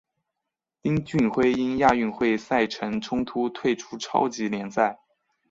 丁俊晖因亚运会赛程冲突退出超级联赛。